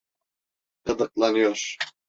Gıdıklanıyor.